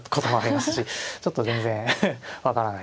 ちょっと全然分からないですね。